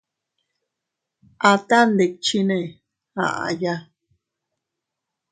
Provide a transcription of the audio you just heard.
Aata ndikchinne aʼaya.